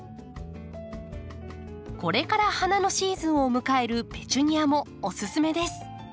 これから花のシーズンを迎えるペチュニアもおススメです。